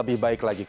a sampai z